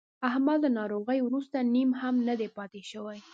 احمد له ناروغۍ ورسته نیم هم نه دی پاتې شوی.